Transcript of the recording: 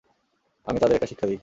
আমি তাদের একটা শিক্ষা দিই।